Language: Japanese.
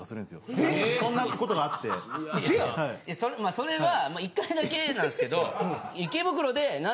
それは１回だけなんすけど。